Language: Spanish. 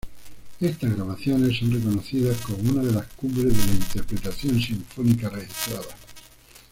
Estas grabaciones son reconocidas como una de las cumbres de la interpretación sinfónica registradas.